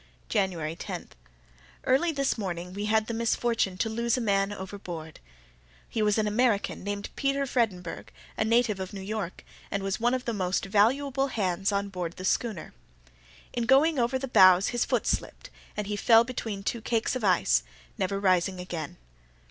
January 10.—Early this morning we had the misfortune to lose a man overboard. He was an American named Peter Vredenburgh, a native of New York, and was one of the most valuable hands on board the schooner. In going over the bows his foot slipped, and he fell between two cakes of ice, never rising again.